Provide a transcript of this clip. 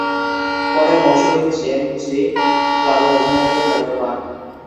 পরের মৌসুমে জেন জি ক্লাবের অধিনায়কের দায়িত্ব পান।